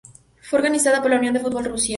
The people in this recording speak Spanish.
Fue organizada por la Unión del Fútbol de Rusia.